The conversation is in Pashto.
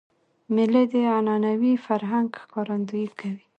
مېلې د عنعنوي فرهنګ ښکارندویي کوي.